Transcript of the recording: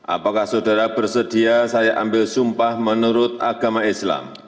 apakah saudara bersedia saya ambil sumpah menurut agama islam